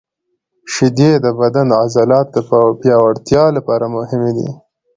شیدې د بدن د عضلاتو د پیاوړتیا لپاره مهمې دي.